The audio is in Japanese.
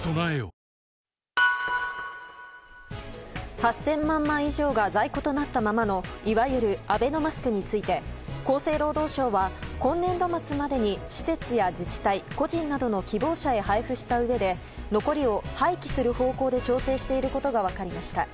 ８０００万枚以上が在庫となったままのいわゆるアベノマスクについて厚生労働省は今年度末までに施設や自治体個人などの希望者へ配布したうえで残りを廃棄する方向で調整していることが分かりました。